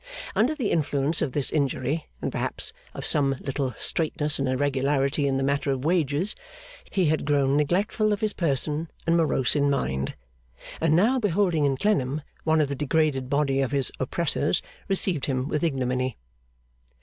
Under the influence of this injury (and perhaps of some little straitness and irregularity in the matter of wages), he had grown neglectful of his person and morose in mind; and now beholding in Clennam one of the degraded body of his oppressors, received him with ignominy.